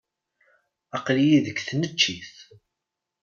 Aql-iyi deg tneččit.